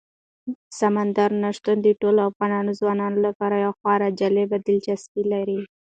سمندر نه شتون د ټولو افغان ځوانانو لپاره یوه خورا جالب دلچسپي لري.